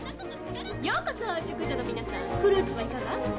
ようこそ、淑女の皆さん、フルーツはいかが。